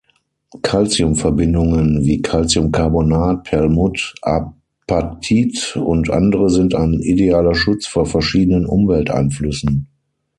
Calcium-Verbindungen wie Calciumcarbonat, Perlmutt, Apatit und andere sind ein idealer Schutz vor verschiedenen Umwelteinflüssen.